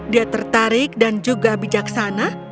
dia tertarik dan juga bijaksana